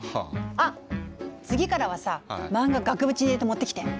あ次からはさ漫画額縁に入れて持ってきて。